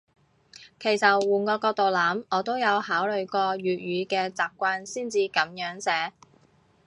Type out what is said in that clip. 其實換個角度諗，我都有考慮過粵語嘅習慣先至噉樣寫